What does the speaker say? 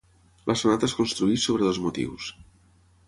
La sonata es construeix sobre dos motius.